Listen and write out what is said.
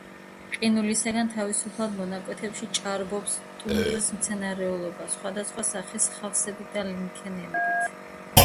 ყინულისგან თავისუფალ მონაკვეთებში ჭარბობს ტუნდრის მცენარეულობა სხვადასხვა სახის ხავსებით და ლიქენებით.